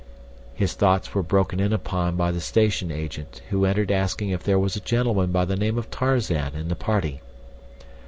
His thoughts were broken in upon by the station agent who entered asking if there was a gentleman by the name of Tarzan in the party.